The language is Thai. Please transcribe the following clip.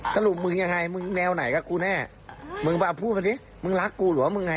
สรุปมึงยังไงมึงแนวไหนกับกูแน่มึงมาพูดมาสิมึงรักกูหรือว่ามึงไง